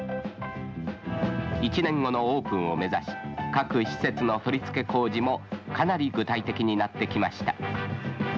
１年後のオープンを目指し各施設の取り付け工事もかなり具体的になってきました